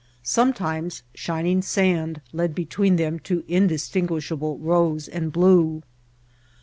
Sometimes shining sand led between them to indistinguishable rose and blue.